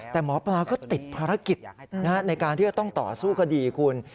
แต่หมอปลาก็ติดภารกิจในการที่จะต้องต่อสู้คดีคุณ